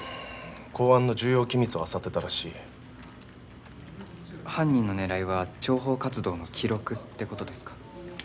公安の重要機密をあさってたらしい犯人の狙いは諜報活動の記録ってことですか？